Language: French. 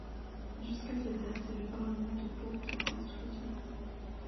Jusqu'à cette date, c'est le parlement de Pau qui exerce toute l'autorité.